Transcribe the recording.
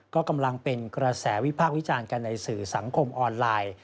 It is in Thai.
ก็กำลังเป็นกระแสวิพากษ์วิจารณ์กันในสื่อสังคมออนไลน์